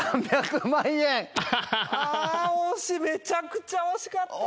めちゃくちゃ惜しかった。